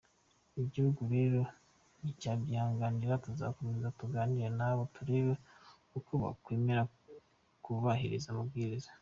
Igihugu rero nticyabyihanganira, tuzakomeza tuganire nabo turebe ko bakwemera kubahiriza amabwiriza.